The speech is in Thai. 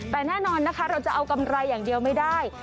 แต่แน่นอนนะคะเราจะเอากำไรอย่างเดียวไม่ได้